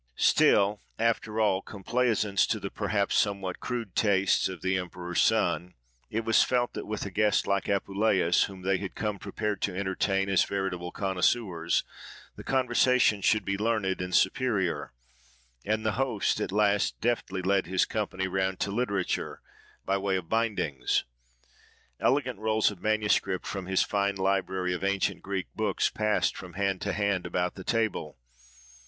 Still, after all complaisance to the perhaps somewhat crude tastes of the emperor's son, it was felt that with a guest like Apuleius whom they had come prepared to entertain as veritable connoisseurs, the conversation should be learned and superior, and the host at last deftly led his company round to literature, by the way of bindings. Elegant rolls of manuscript from his fine library of ancient Greek books passed from hand to hand about the table.